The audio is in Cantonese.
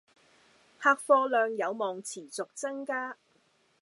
客貨量有望持續增加